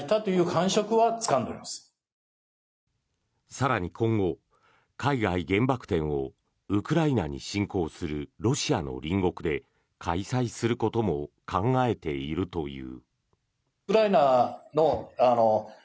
更に今後、海外原爆展をウクライナに侵攻するロシアの隣国で開催することも考えているという。